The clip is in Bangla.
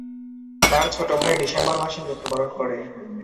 তার ছোট ভাই ডিসেম্বর মাসে মৃত্যুবরণ করে।